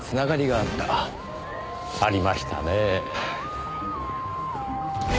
ありましたねぇ。